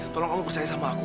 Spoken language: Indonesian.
tolong aku percaya sama aku